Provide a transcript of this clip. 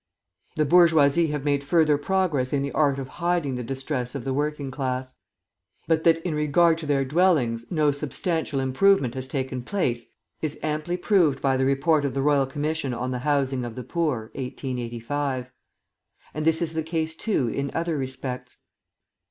The bourgeoisie have made further progress in the art of hiding the distress of the working class. But that, in regard to their dwellings, no substantial improvement has taken place, is amply proved by the Report of the Royal Commission "on the Housing of the Poor," 1885. And this is the case, too, in other respects.